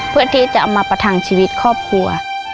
เพื่อที่จะเอามาประทังชีวิตครอบครัว